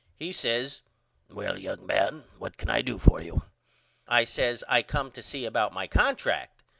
He says Well young man what can I do for you? I says I come to see about my contract.